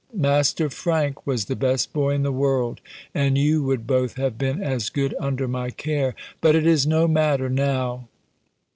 Master Frank was the best boy in the world, and you would both have been as good under my care, but it is no matter now!"